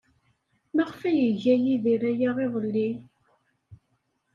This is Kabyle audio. Maɣef ay iga Yidir aya iḍelli?